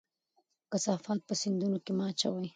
کثافات په سیندونو کې مه اچوئ.